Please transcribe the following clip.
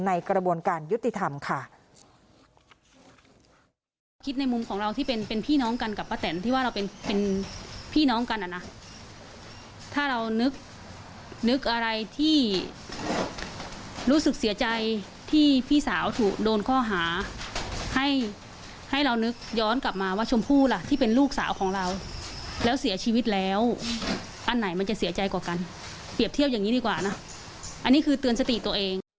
กระบวนการยุติธรรมค่ะ